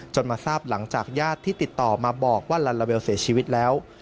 มาทราบหลังจากญาติที่ติดต่อมาบอกว่าลัลลาเบลเสียชีวิตแล้ว